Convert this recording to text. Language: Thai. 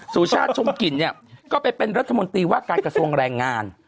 สุชาติชมกลิ่นเนี่ยก็ไปเป็นรัฐมนตรีว่าการกระทรวงแรงงาน